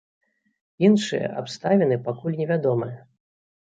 Іншыя абставіны пакуль невядомыя.